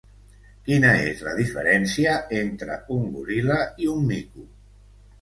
Quina és la diferència entre un goril·la i un mico?